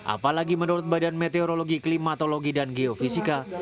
apalagi menurut badan meteorologi klimatologi dan geofisika